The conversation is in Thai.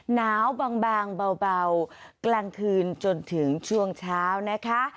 หนาวบางเบากลางคืนจนถึงช่วงเช้านะคะ